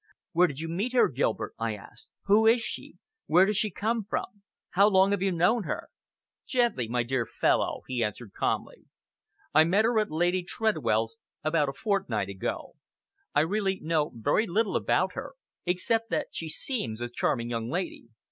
"Where did you meet her, Gilbert?" I asked. "Who is she? Where does she come from? How long have you known her?" "Gently, my dear fellow!" he answered calmly. "I met her at Lady Tredwell's about a fortnight ago. I really know very little about her, except that she seems a charming young lady."